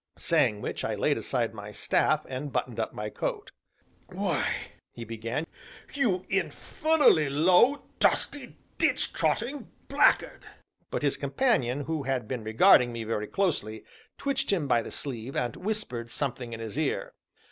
Saying which, I laid aside my staff, and buttoned up my coat. "Why," he began, "you infernally low, dusty, ditch trotting blackguard " But his companion, who had been regarding me very closely, twitched him by the sleeve, and whispered something in his ear.